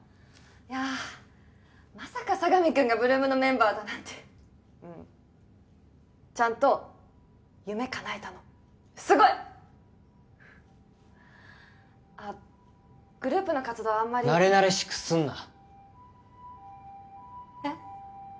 いやーまさか佐神くんが８ＬＯＯＭのメンバーだなんてちゃんと夢かなえたのすごいっグループの活動はあんまりなれなれしくすんなえっ？